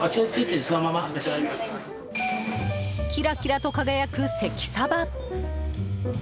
キラキラと輝く関サバ！